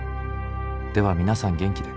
では皆さん元気で。